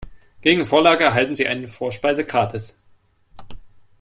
Gegen Vorlage erhalten Sie eine Vorspeise gratis.